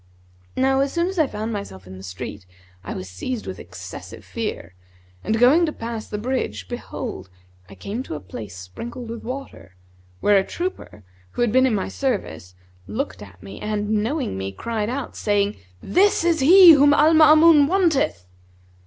Now as soon as I found myself in the street, I was seized with excessive fear, and going to pass the bridge behold, I came to a place sprinkled with water,[FN#154] where a trooper, who been in my service, looked at me and knowing me, cried out, saying, 'This is he whom Al Maamun wanteth.'